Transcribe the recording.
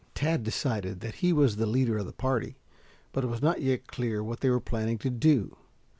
Tad decided that he was the leader of the party, but it was not yet clear what they were planning to do.